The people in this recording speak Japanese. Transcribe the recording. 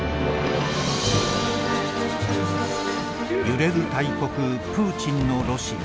揺れる大国プーチンのロシア。